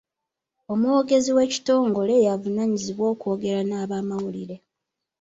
Omwogezi w'ekitongole y'avunaanyizibwa okwogera n'abamawulire.